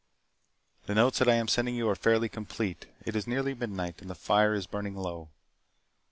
The notes that I am sending you are fairly complete. It is nearly midnight and the fire is burning low.